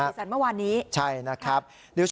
เป็นวีสันเมื่อวานนี้ใช่นะครับ